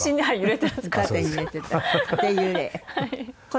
はい。